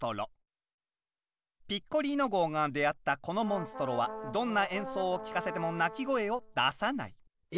ピッコリーノ号が出会ったこのモンストロはどんな演奏を聴かせても鳴き声を出さない！え！